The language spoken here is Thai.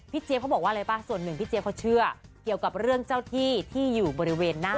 เจี๊ยบเขาบอกว่าอะไรป่ะส่วนหนึ่งพี่เจี๊ยเขาเชื่อเกี่ยวกับเรื่องเจ้าที่ที่อยู่บริเวณหน้า